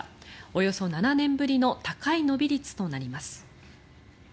およそ７年ぶりの高い伸び率となります。